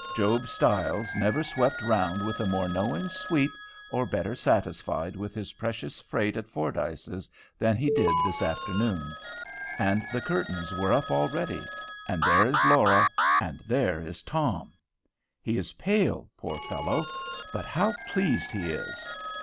Job Stiles never swept round with a more knowing sweep, or better satisfied with his precious freight at Fordyce's, than he did this afternoon. And the curtains were up already. And there is Laura, and there is Tom! He is pale, poor fellow. But how pleased he is!